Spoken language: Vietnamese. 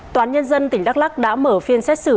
toán nhân dân tỉnh đắk lắc đã mở phiên xét xử